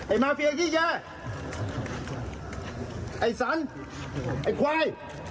ไอ้มาเฟียกิจ่ะไอ้สันไอ้ควาย